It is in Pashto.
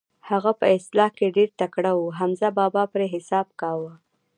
هغه په اصلاح کې ډېر تکړه و، حمزه بابا پرې حساب کاوه.